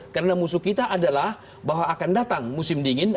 karena musuh kita adalah bahwa akan datang musim dingin